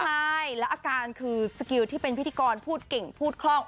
ใช่แล้วอาการคือสกิลที่เป็นพิธีกรพูดเก่งพูดคล่อง